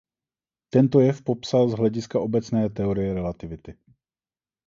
Tento jev popsal z hlediska obecné teorie relativity.